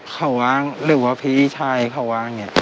เขาว้างเรียกว่าพี่ชายเขาว้างเนี่ย